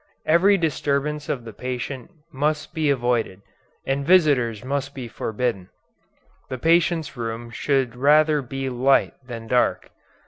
Every disturbance of the patient must be avoided, and visitors must be forbidden. The patient's room should rather be light than dark.